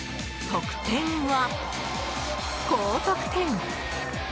得点は高得点！